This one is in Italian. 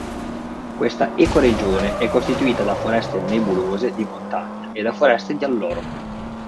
Questa ecoregione è costituita da foreste nebulose di montagna e da foreste di alloro.